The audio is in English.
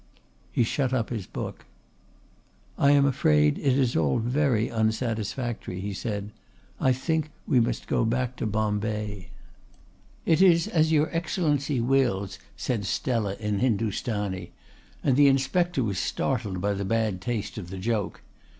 He shut up his book. "I am afraid it is all very unsatisfactory," he said. "I think we must go back to Bombay." "It is as your Excellency wills," said Stella in Hindustani, and the Inspector was startled by the bad taste of the joke.